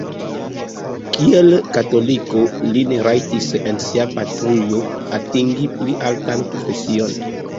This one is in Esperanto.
Kiel katoliko li ne rajtis en sia patrujo atingi pli altan profesion.